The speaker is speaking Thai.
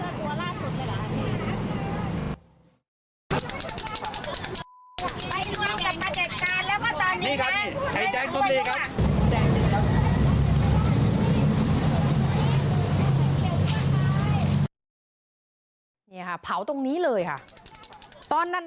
เนี่ยค่ะเผาตรงนี้เลยค่ะ